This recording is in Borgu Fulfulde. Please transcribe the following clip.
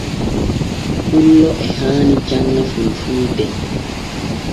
Pullo e haani janŋa fulfulde.